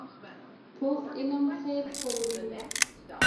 پوخ علم خیر خپروي